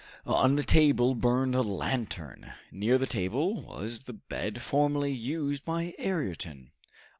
On the table burned a lantern. Near the table was the bed formerly used by Ayrton.